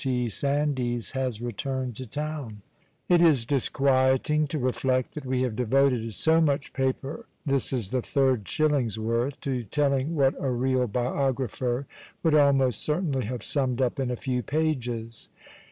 T. SANDYS HAS RETURNED TO TOWN It is disquieting to reflect that we have devoted so much paper (this is the third shilling's worth) to telling what a real biographer would almost certainly have summed up in a few pages.